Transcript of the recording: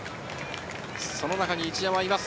その中に一山います。